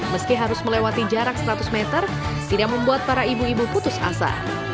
meski harus melewati jarak seratus meter tidak membuat para ibu ibu putus asa